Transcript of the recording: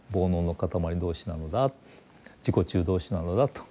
自己中同士なのだと。